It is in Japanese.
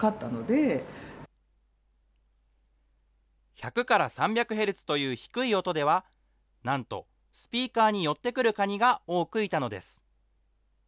１００から３００ヘルツという低い音では、なんとスピーカーに寄ってくるカニが多くいたのです。